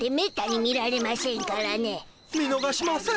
見のがしません。